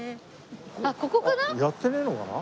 あっここかな？